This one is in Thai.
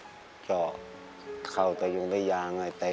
คุณหมอบอกว่าเอาไปพักฟื้นที่บ้านได้แล้ว